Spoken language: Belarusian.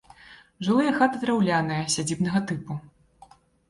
Жылыя хаты драўляныя, сядзібнага тыпу.